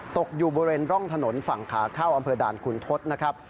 ตกอยู่บริเวณร่องถนนฝั่งขาเข้าอำเภอด่านคุณทศนะครับ